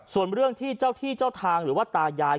ส่วนเรื่องที่เจ้าที่เจ้าทางหรือว่าตายาย